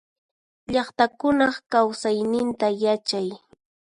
Llaqtakunaq kausayninta yachay.